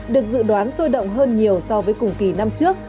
được dự đoán sôi động hơn nhiều so với cùng kỳ năm trước